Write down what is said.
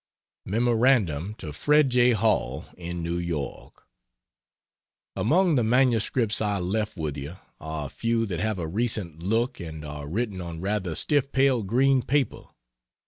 Memorandum to Fred J. Hall, in New York: Among the MSS I left with you are a few that have a recent look and are written on rather stiff pale green paper.